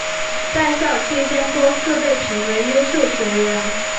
在校期间多次被评为优秀学员。